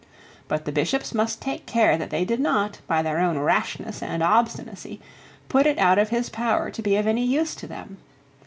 But the Bishops must take care that they did not, by their own rashness and obstinacy, put it out of his power to be of any use to them.